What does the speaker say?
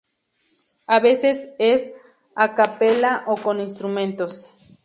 A veces es a capella, o con instrumentos.